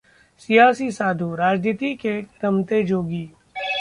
सियासी साधु: राजनीति के रमते जोगी